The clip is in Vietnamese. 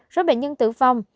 số bệnh nhân tử vong